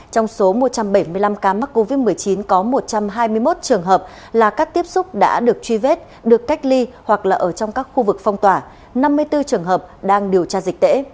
trong số một trăm bảy mươi năm ca mắc covid một mươi chín có một trăm hai mươi một trường hợp là các tiếp xúc đã được truy vết được cách ly hoặc là ở trong các khu vực phong tỏa năm mươi bốn trường hợp đang điều tra dịch tễ